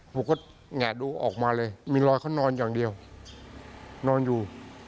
ผมก็แงะดูออกมาเลยมีรอยเขานอนอย่างเดียวนอนอยู่